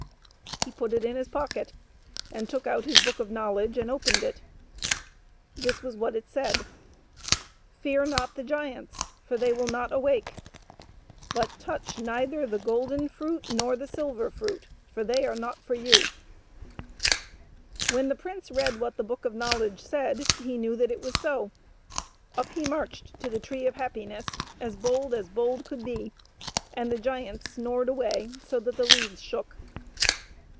He put it in his pocket and took out his Book of Knowledge and opened it. This was what it said :^^ Fear riot the giants^ for they will not awake; but touch neither the golden fruit nor the silver fruity for they are not for you" When the prince read what the Book of Knowledge said, he knew that it was so. Up he marched to the Tree of Happiness as bold as bold could be, and the giants snored away so that the leaves shook.